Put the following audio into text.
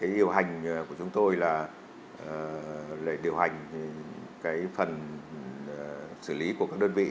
điều hành của chúng tôi là điều hành phần xử lý của các đơn vị